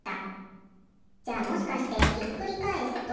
じゃあもしかしてひっくりかえすと。